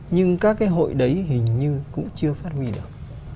nhưng các cái hội đấy hình như cũng chưa phát huy được